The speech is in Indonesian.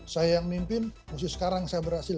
saya yang mimpin mesti sekarang saya berhasil